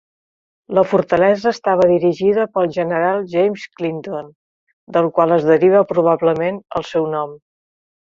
La fortalesa estava dirigida pel General James Clinton, del qual es deriva probablement el seu nom.